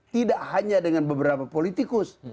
tidak hanya dengan beberapa politikus